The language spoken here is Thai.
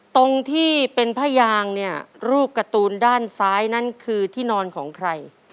ตรงที่เป็นผ้ายางเนี่ยรูปการ์ตูนด้านซ้ายนั้นคือที่นอนของใคร